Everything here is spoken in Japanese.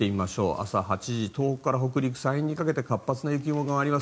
朝８時、東北から北陸山陰にかけて活発な雪雲がかかります。